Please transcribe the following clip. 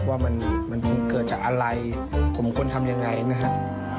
ว่ามันเกิดจากอะไรผมควรทำยังไงนะครับ